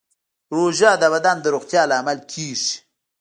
روژه د بدن د روغتیا لامل کېږي.